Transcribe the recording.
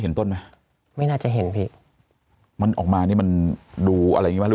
เห็นต้นไหมไม่น่าจะเห็นพี่มันออกมานี่มันดูอะไรอย่างงี้ไหม